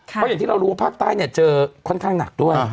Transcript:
เพราะอย่างที่เรารู้ว่าภาคใต้เจอค่อนข้างหนักด้วย